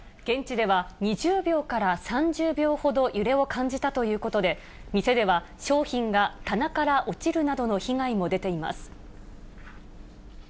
現地では２０秒から３０秒ほど揺れを感じたということで、店では商品が棚から落ちるなどの被害も出ています。